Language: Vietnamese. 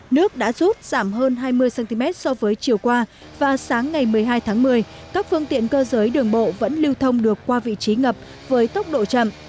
nước đã rút giảm hơn hai mươi cm so với chiều qua và sáng ngày một mươi hai tháng một mươi các phương tiện cơ giới đường bộ vẫn lưu thông được qua vị trí ngập với tốc độ chậm